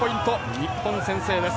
日本、先制です。